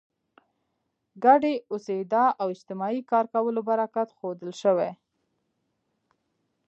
ګډې اوسېدا او اجتماعي کار کولو برکت ښودل شوی.